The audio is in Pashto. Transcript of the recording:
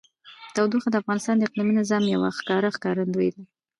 تودوخه د افغانستان د اقلیمي نظام یوه ښکاره ښکارندوی ده.